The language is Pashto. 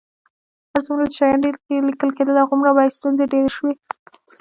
هر څومره چې شیان ډېر لیکل کېدل، همغومره به یې ستونزې ډېرې شوې.